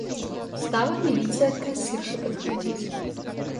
Стала милиция к кассирше подходить.